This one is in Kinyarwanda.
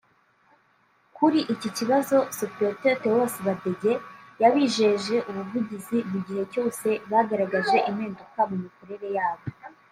Kuri iki Kibazo Supt Theos Badege yabijeje ubuvugizi mu gihe cyose bagaragaje impinduka mu mikorere yabo